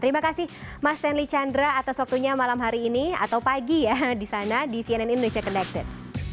terima kasih mas stanley chandra atas waktunya malam hari ini atau pagi ya di sana di cnn indonesia connected